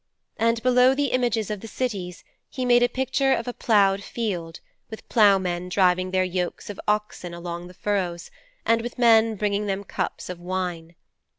And below the images of the cities he made a picture of a ploughed field, with ploughmen driving their yokes of oxen along the furrows, and with men bringing them cups of wine.